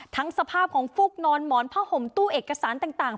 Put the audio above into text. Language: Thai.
สภาพของฟุกนอนหมอนผ้าห่มตู้เอกสารต่าง